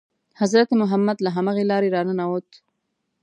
حضرت محمد له همغې لارې را ننووت.